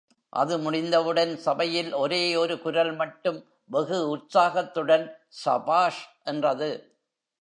அது முடிந்தவுடன் சபையில் ஒரே ஒரு குரல் மட்டும் வெகு உற்சாகத்துடன் சபாஷ் என்றது.